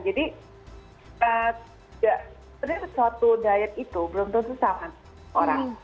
jadi sebenarnya suatu diet itu belum tentu sama orang